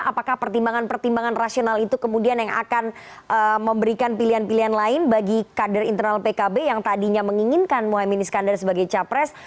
apakah pertimbangan pertimbangan rasional itu kemudian yang akan memberikan pilihan pilihan lain bagi kader internal pkb yang tadinya menginginkan mohaimin iskandar sebagai capres